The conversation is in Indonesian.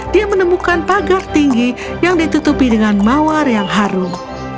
dia menemukan pagar tinggi yang ditutupi dengan mawar yang harum